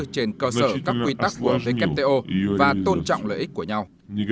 trên cơ sở các quy tắc của wto và tôn trọng lợi ích của nhau